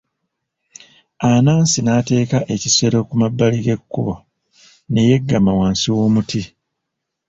Anansi n'ateeka ekisero ku mabbali g'ekkubo ne yeggama wansi w'omuti. .